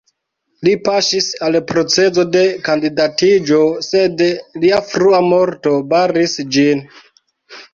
Li paŝis al procezo de kandidatiĝo, sed lia frua morto baris ĝin.